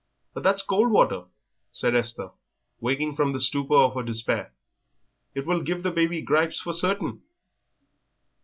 "But that's cold water," said Esther, waking from the stupor of her despair; "it will give the baby gripes for certain."